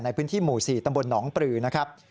ในพื้นที่หมู่๔ตำบลหนองปลือนะครับ